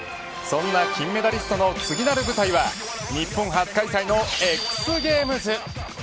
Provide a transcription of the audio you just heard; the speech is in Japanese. そんな金メダリストの次なる舞台は日本初開催のＸゲームズ